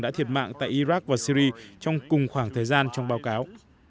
đã thiệt mạng tại iraq và syri trong cùng khoảng thời gian trong báo cáo